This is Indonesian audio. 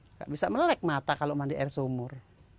tidak bisa melek mata kalau mandi air sumur